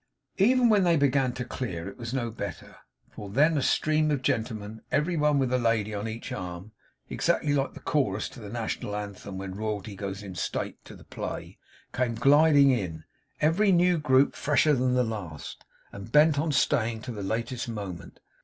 Even when they began to clear it was no better; for then a stream of gentlemen, every one with a lady on each arm (exactly like the chorus to the National Anthem when Royalty goes in state to the play), came gliding in every new group fresher than the last, and bent on staying to the latest moment.